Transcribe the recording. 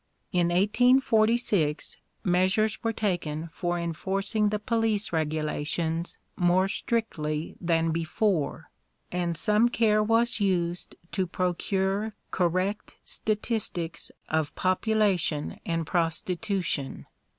In 1846 measures were taken for enforcing the police regulations more strictly than before, and some care was used to procure correct statistics of population and prostitution.